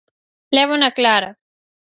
Lévana clara!